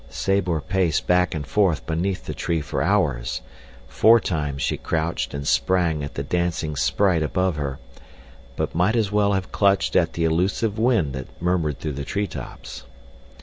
Sabor paced back and forth beneath the tree for hours; four times she crouched and sprang at the dancing sprite above her, but might as well have clutched at the illusive wind that murmured through the tree tops.